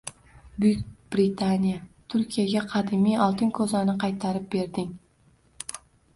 Buyuk Britaniya Turkiyaga qadimiy oltin ko‘zani qaytarib berding